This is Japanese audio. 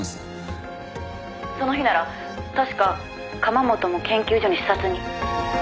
「その日なら確か釜本も研究所に視察に」